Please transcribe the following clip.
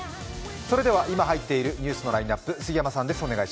それでは今入っているニュースのラインナップ、杉山さんです。